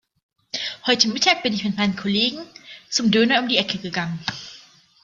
Heute Mittag bin ich mit meinen Kollegen zum Döner um die Ecke gegangen.